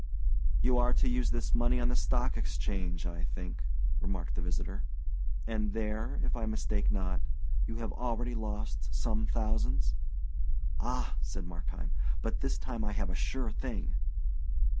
"You are to use this money on the Stock Exchange, I think?" remarked the visitor; "and there, if I mistake not, you have already lost some thousands?" "Ah," said Markheim, "but this time I have a sure thing."